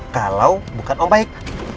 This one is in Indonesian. kalau bukan om baik